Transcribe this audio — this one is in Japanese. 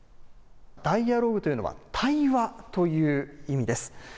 ダイアローグというのは、対話という意味です。